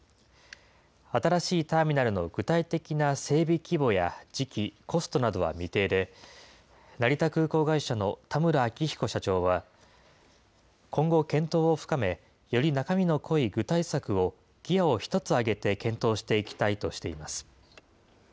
新しいターミナルの具体的な整備規模や時期、コストなどは未定で、成田空港会社の田村明比古社長は、今後、検討を深め、より中身の濃い具体策を、ギアを一つ上げて検討していきたいとしています。